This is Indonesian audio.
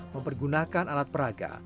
mempergunakan alat peraga